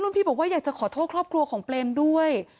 พี่บอกว่าอยากจะขอโทษครอบครัวของเปรมด้วย